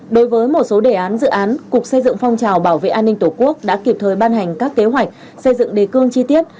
đối với một số đề án dự án cục xây dựng phong trào bảo vệ an ninh tổ quốc đã kịp thời ban hành các kế hoạch xây dựng đề cương chi tiết